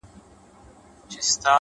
زه به د څو شېبو لپاره نور ـ